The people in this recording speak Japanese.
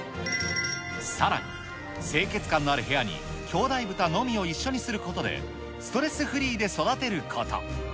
さらに、清潔感のある部屋に、きょうだい豚のみを一緒にすることで、ストレスフリーで育てること。